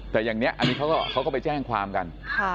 แต่ตอนนี้เค้าก็ไปแจ้งความกัน